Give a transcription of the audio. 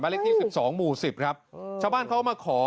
บ้านเลขที่สิบสองหมู่สิบครับชาวบ้านเขาก็มาขอ